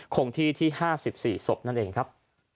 คงที่ที่๕๔ศพนั่นเองครับ